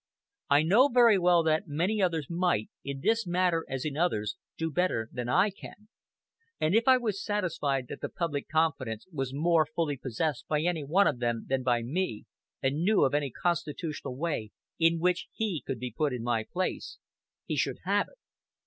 I know very well that many others might, in this matter as in others, do better than I can; and if I was satisfied that the public confidence was more fully possessed by any one of them than by me, and knew of any constitutional way in which he could be put in my place, he should have it.